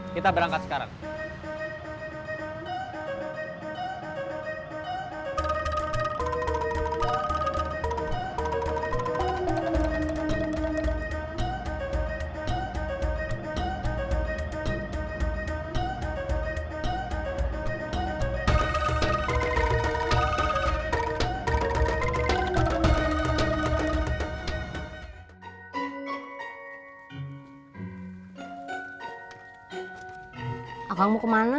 kita berangkat sekarang